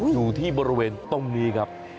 อยู่ที่บริเวณตรงนี้ครับ